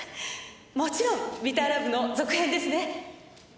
もちろん『ＢｉｔｔｅｒＬｏｖｅ』の続編ですね？